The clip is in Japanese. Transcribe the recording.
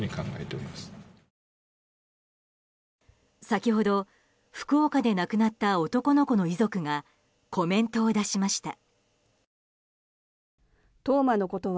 先ほど福岡で亡くなった男の子の遺族がコメントを出しました。